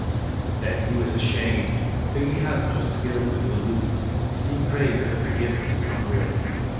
Then he was ashamed, for he had no skill with the lute, and he prayed her forgiveness humbly.